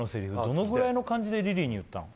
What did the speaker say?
どのぐらいの感じでリリーに言ったの？